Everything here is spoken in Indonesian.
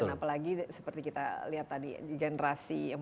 itu kalau kita terpaksa memaksa intensif